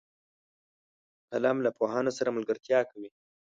قلم له پوهانو سره ملګرتیا کوي